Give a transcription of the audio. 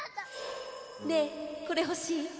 ねえ、これ欲しい？